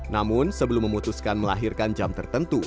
namun sebelum memutuskan melahirkan jam tertentu